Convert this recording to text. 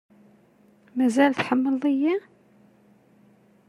Mazal tḥemmleḍ-iyi?